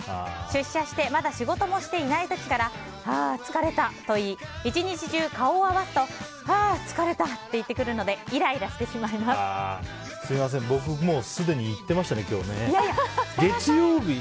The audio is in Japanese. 出社してまだ仕事もしていない時からはあ、疲れたと言い１日中顔を合わすとはあ、疲れたって言ってくるのですみません、僕すでに言ってましたね、今日ね。